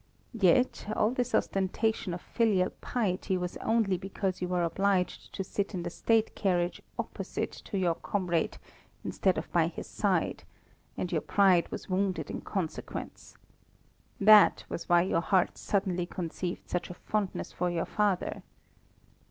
Yet all this ostentation of filial piety was only because you were obliged to sit in the State carriage opposite to your comrade, instead of by his side, and your pride was wounded in consequence. That was why your heart suddenly conceived such a fondness for your father.